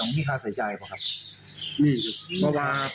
โอ้นไปให้เค้าว่า๓๗๕๐๐